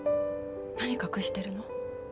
何隠してるの？